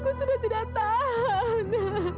aku sudah tidak tahan